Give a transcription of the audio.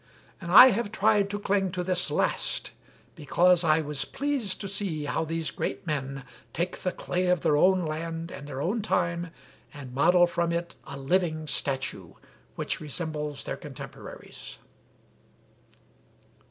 And I have tried to cling to this last, because I was pleased to see how these great men take the clay of their own land and their own time, and model from it a living statue, which resembles their contemporaries."